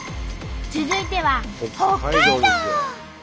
続いては北海道。